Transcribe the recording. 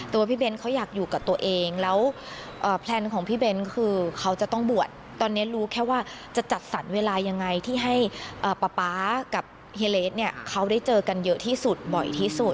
พี่เบ้นเขาอยากอยู่กับตัวเองแล้วแพลนของพี่เบ้นคือเขาจะต้องบวชตอนนี้รู้แค่ว่าจะจัดสรรเวลายังไงที่ให้ป๊าป๊ากับเฮียเลสเนี่ยเขาได้เจอกันเยอะที่สุดบ่อยที่สุด